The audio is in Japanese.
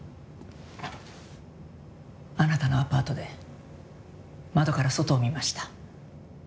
あなたのアパートで窓から外を見ました。